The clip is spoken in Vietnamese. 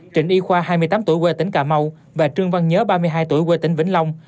trịnh y khoa hai mươi tám tuổi quê tỉnh cà mau và trương văn nhớ ba mươi hai tuổi quê tỉnh vĩnh long